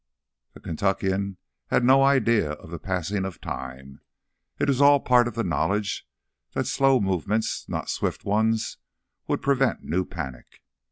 The Kentuckian had no idea of the passing of time; it was all part of the knowledge that slow movements, not swift ones, would prevent new panic.